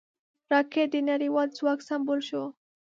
راکټ د نړیوال ځواک سمبول شو